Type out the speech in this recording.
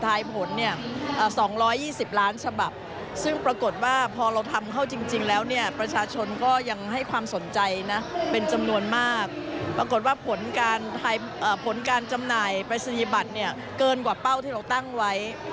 ตั้งแต่ว่าการจำหน่ายปรายศนียเนี่ยเกินกว่าเป้อที่เราตั้งไว้